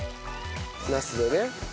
ナスでね。